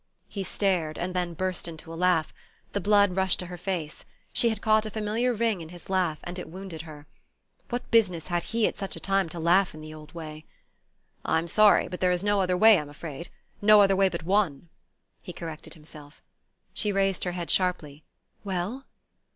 He stared, and then burst into a laugh. The blood rushed to her face. She had caught a familiar ring in his laugh, and it wounded her. What business had he, at such a time, to laugh in the old way? "I'm sorry; but there is no other way, I'm afraid. No other way but one," he corrected himself. She raised her head sharply. "Well?"